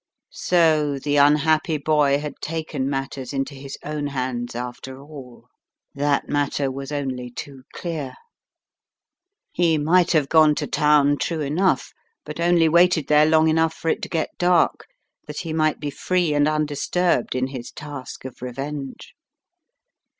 So the unhappy boy had taken matters into his own hands after all. That matter was only too A Shot in the Dark 119 clear. He might have gone to town, true enough, but only waited there long enough for it to get dark, that he might be free and undisturbed in his task of revenge.